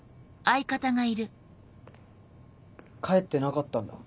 帰ってなかったんだ。